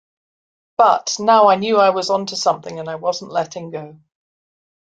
But, now I knew I was onto something, and I wasn't letting go.